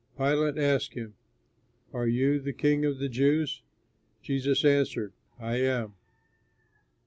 Pilate asked him, "Are you the King of the Jews?" He answered, "I am."